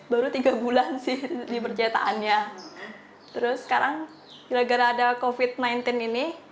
baru tiga bulan sih di percetaannya terus sekarang gara gara ada covid sembilan belas ini